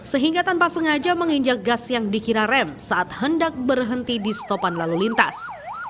sehingga tanpa sengaja menginjak gas yang dikira rem saat hendak berhenti di stopan lalu lintas